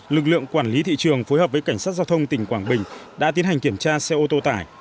lực lượng quản lý thị trường phối hợp với cảnh sát giao thông tỉnh quảng bình đã tiến hành kiểm tra xe ô tô tải